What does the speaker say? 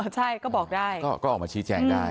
ใช่ก็บอกได้